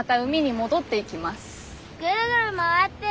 ぐるぐる回ってる。